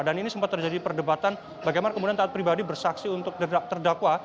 dan ini sempat terjadi perdebatan bagaimana kemudian taat pribadi bersaksi untuk terdakwa